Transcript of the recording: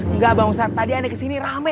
enggak bang ustadz tadi anda kesini rame